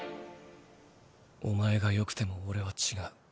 お前がよくてもオレは違う。